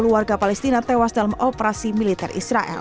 tujuh enam ratus lima puluh warga palestina tewas dalam operasi militer israel